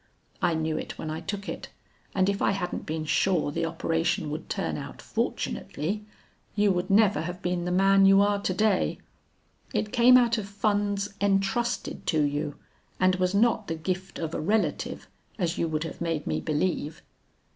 I knew it when I took it, and if I hadn't been sure the operation would turn out fortunately, you would never have been the man you are to day. It came out of funds entrusted to you, and was not the gift of a relative as you would have made me believe.'